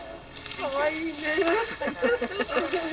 かわいいね。